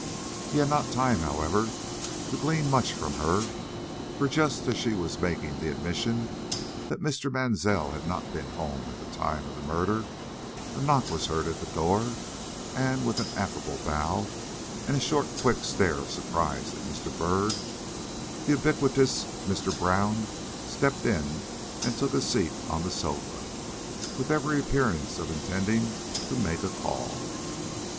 He had not time, however, to glean much from her, for, just as she was making the admission that Mr. Mansell had not been home at the time of the murder, a knock was heard at the door, and, with an affable bow and a short, quick stare of surprise at Mr. Byrd, the ubiquitous Mr. Brown stepped in and took a seat on the sofa, with every appearance of intending to make a call.